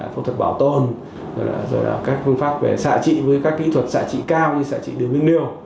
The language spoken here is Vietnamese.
phẫu thuật bảo tồn rồi là các phương pháp về xã trị với các kỹ thuật xã trị cao như xã trị đường viên liều